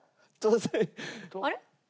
あれ？